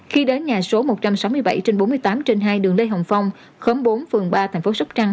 khi đến nhà số một trăm sáu mươi bảy trên bốn mươi tám trên hai đường lê hồng phong khóm bốn phường ba thành phố sóc trăng